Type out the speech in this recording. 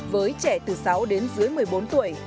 với trẻ từ sáu đến dưới một mươi bốn tuổi